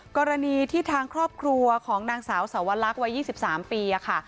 กรณีที่ทางครอบครัวของนางสาวสวรรควัย๒๓ปีค่ะ